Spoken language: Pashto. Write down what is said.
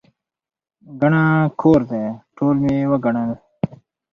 ګڼه کور دی، ټول مې وګڼل.